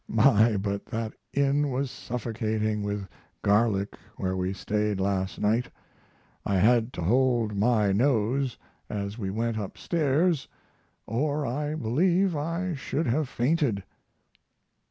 My, but that inn was suffocating with garlic where we stayed last night! I had to hold my nose as we went up stairs or I believe I should have fainted.